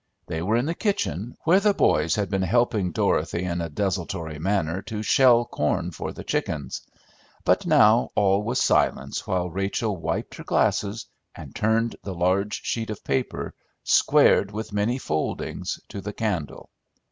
They were in the kitchen, where the boys had been helping Dorothy in a desultory manner to shell corn for the chickens; but now all was silence while Rachel wiped her glasses and turned the large sheet of paper, squared with many foldings, to the candle.